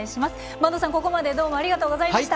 播戸さん、ここまでどうもありがとうございました。